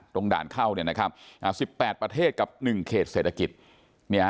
ด่านเข้าเนี่ยนะครับ๑๘ประเทศกับ๑เขตเศรษฐกิจ